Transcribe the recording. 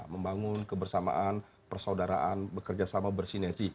membangun kebersamaan persaudaraan bekerja sama bersinergi